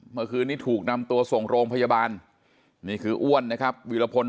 เมื่อคืนนี้ถูกนำตัวส่งโรงพยาบาลนี่คืออ้วนนะครับวิรพล